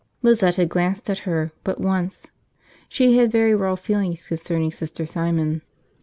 Lizette had glanced at her but once. She had very raw feelings concerning Sister Simon.